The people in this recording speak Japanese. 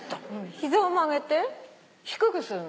膝を曲げて低くするの？